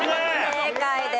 正解です。